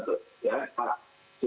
tadi pak terse